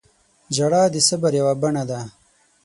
• ژړا د صبر یوه بڼه ده.